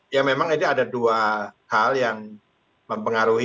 ya memang ini ada dua hal yang mempengaruhi